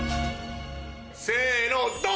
せのドン。